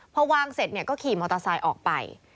พอวางเสร็จก็ขี่มอเตอร์ไซค์ออกไป